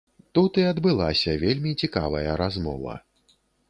Тут і адбылася вельмі цікавая размова.